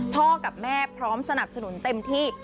พ่อกับแม่พร้อมสนับสนุนเต็มที่